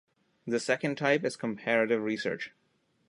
The second type is comparative research.